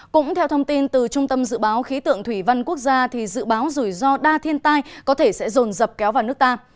cũng theo thông tin từ trung tâm dự báo khí tượng thủy văn quốc gia dự báo rủi ro đa thiên tai có thể sẽ rồn dập kéo vào nước ta